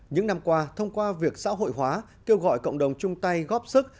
những năm qua thông qua việc xã hội hóa kêu gọi cộng đồng chung tay góp sức